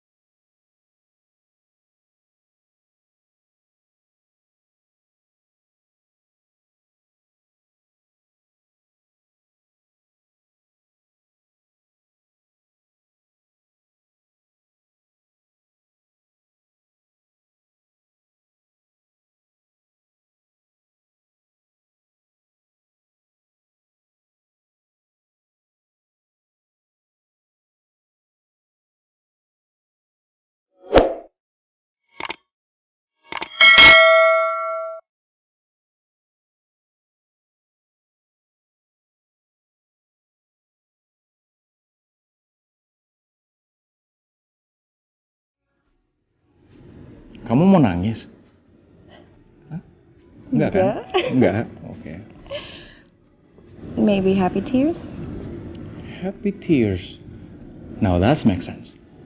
sekarang itu masuk akal